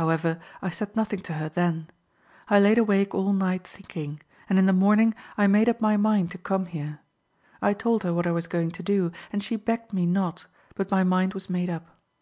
However, I said nothing to her then. I laid awake all night thinking, and in the morning I made up my mind to come here. I told her what I was going to do, and she begged me not, but my mind was made up.